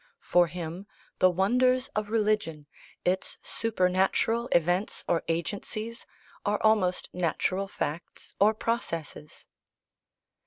For him, the wonders of religion, its supernatural events or agencies, are almost natural facts or processes.